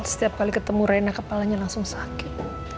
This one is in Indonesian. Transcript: setiap kali ketemu reina kepalanya langsung sakit